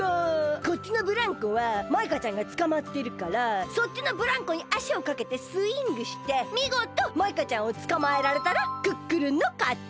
こっちのブランコはマイカちゃんがつかまってるからそっちのブランコにあしをかけてスイングしてみごとマイカちゃんをつかまえられたらクックルンのかち！